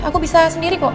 aku bisa sendiri kok